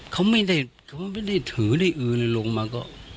เขาไม่ได้ถือได้อื่นลงมาก็